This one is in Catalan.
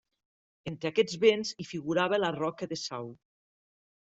Entre aquests béns hi figurava la roca de Sau.